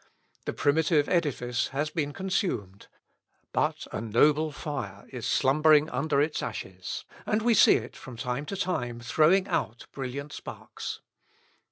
The primitive edifice has been consumed; but a noble fire is slumbering under its ashes, and we see it from time to time throwing out brilliant sparks.